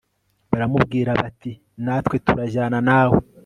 baramubwira bati natwe turajyana nawe